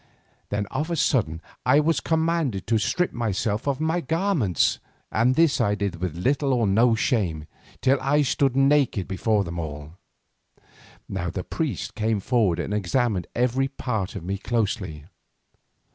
Then of a sudden I was commanded to strip myself of my garments, and this I did with no little shame, till I stood naked before them all. Now the priests came forward and examined every part of me closely.